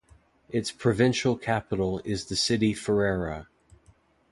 Its provincial capital is the city Ferrara.